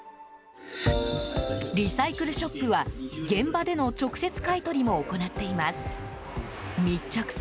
リサイクルショップは現場での直接買い取りも行っています。